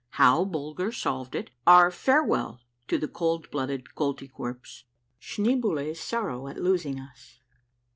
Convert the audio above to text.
— HOW BULGER SOLVED IT. — OUR FAREWELL TO THE COLD BLOODED KOLTYKWERPS. — schneeboule's sorrow at losing us.